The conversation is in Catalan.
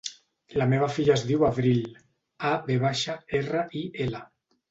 La meva filla es diu Avril: a, ve baixa, erra, i, ela.